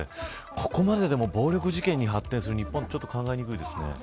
ここまで暴力事件に発展する日本は、考えにくいですよね。